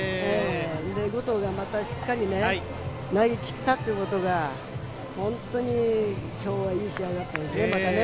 後藤がまたしっかり投げきったっていうことが本当に今日はいい試合でしたね。